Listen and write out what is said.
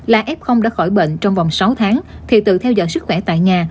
là f đã khỏi bệnh trong vòng sáu tháng thì tự theo dõi sức khỏe tại nhà